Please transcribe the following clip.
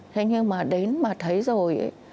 thế nhưng mà đến mà thấy rồi